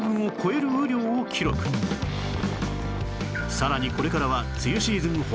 さらにこれからは梅雨シーズン本番